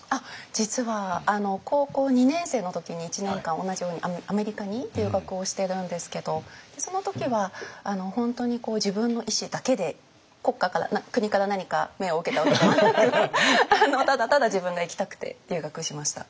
実は高校２年生の時に１年間同じようにアメリカに留学をしてるんですけどその時は本当に自分の意思だけで国家から国から何か命を受けたわけではなくただただ自分が行きたくて留学しました。